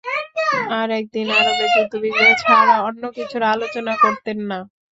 আর একদিন আরবের যুদ্ধ-বিগ্রহ ছাড়া অন্য কিছুর আলোচনা করতেন না।